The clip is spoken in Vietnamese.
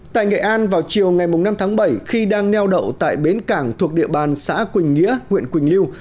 tại nghệ an vào chiều ngày năm tháng bảy khi đang neo đậu tại bến cảng thuộc địa bàn xã quỳnh nghĩa huyện quỳnh lưu